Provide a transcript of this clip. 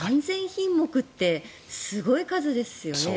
３０００品目ってすごい数ですよね。